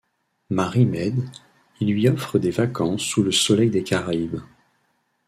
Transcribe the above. Mary Mead, il lui offre des vacances sous le soleil des Caraïbes.